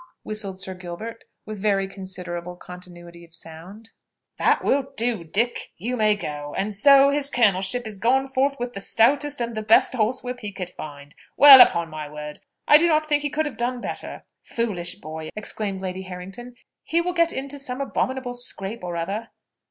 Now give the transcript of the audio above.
"Wheugh!" whistled Sir Gilbert with very considerable continuity of sound. "That will do, Dick you may go. And so, his colonelship is gone forth with the stoutest and the best horsewhip he could find. Well, upon my word, I do not think he could have done better." "Foolish boy!" exclaimed Lady Harrington. "He will get into some abominable scrape or other!"